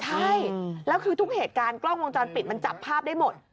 ใช่แล้วคือทุกเหตุการณ์กล้องวงจรปิดมันจับภาพได้หมด